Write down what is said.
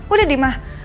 udah deh ma